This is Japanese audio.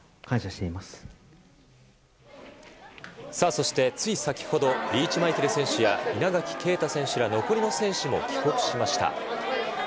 そして、つい先ほどリーチマイケル選手や稲垣啓太選手ら残りの選手も帰国しました。